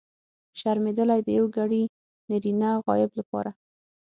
شرمېدلی! د یوګړي نرينه غایب لپاره.